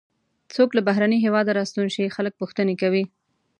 څوک له بهرني هېواده راستون شي خلک پوښتنې کوي.